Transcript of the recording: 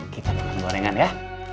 kita makan gorengan ya